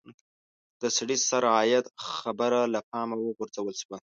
د سړي سر عاید خبره له پامه وغورځول شوه.